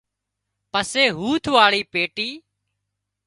پسي هوٿ واۯي پيٽي